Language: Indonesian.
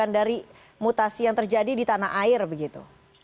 dari mutasi yang terjadi di tanah air begitu